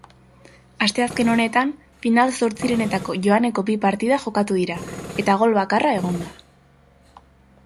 Asteazken honetan final-zortzirenetako joaneko bi partida jokatu dira eta gol bakarra egon da.